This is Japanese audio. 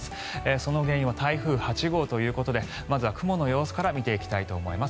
その原因は台風８号ということでまずは雲の様子から見ていきたいと思います